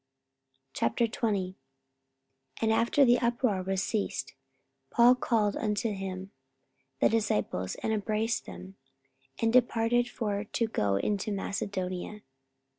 44:020:001 And after the uproar was ceased, Paul called unto him the disciples, and embraced them, and departed for to go into Macedonia.